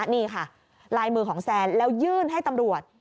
นี่ค่ะลายมือของแซนแล้วยื่นให้ตำรวจ